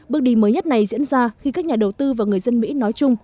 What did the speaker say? bước đi mới nhất này diễn ra khi các nhà đầu tư và người dân mỹ nói chung